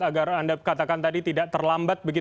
agar anda katakan tadi tidak terlambat